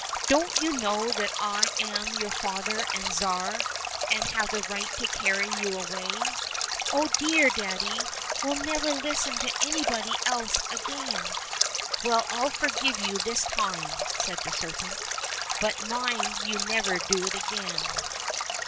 " Don't you know that I only am your father and tsar, and have the right to carry you away ?"—*' Oh, dear daddy ! we'll never listen to anybody else again !"—'' Well, I'll forgive you this time," said the serpent ;" but mind you never do it again."